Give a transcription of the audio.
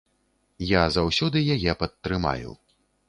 Я заўсёды яе падтрымаю.